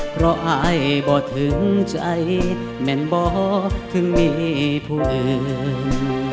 เพราะอายบ่ถึงใจแม่นบ่ถึงมีผู้อื่น